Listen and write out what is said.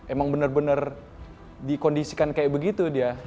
emang bener bener dikondisikan kayak begitu dia